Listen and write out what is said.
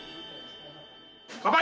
乾杯！